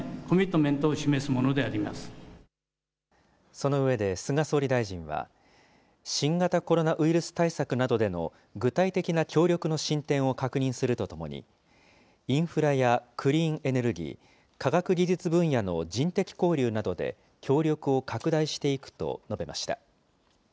その上で菅総理大臣は、新型コロナウイルス対策などでの具体的な協力の進展を確認するとともに、インフラやクリーンエネルギー、科学技術分野の人的交流などで、協力を拡大していくと述べました。